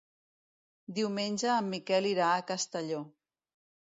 Diumenge en Miquel irà a Castelló.